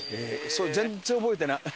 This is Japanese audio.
それ全然覚えてない。